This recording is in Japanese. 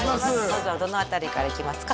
まずはどの辺りからいきますか？